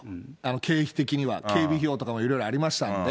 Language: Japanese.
経費的には、警備費用とかもいろいろありましたんで。